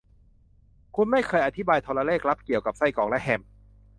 คุณไม่เคยอธิบายโทรเลขลับเกี่ยวกับไส้กรอกและแฮม